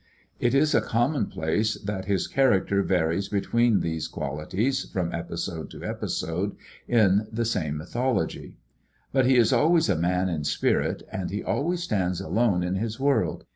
It is a commonplace that his character varies between these qualities from episode to episode in the same mythology. But he is always a man in spirit, and he always stands alone in his world.